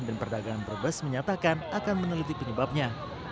dan perdagangan perbes menyatakan akan meneliti penyebabnya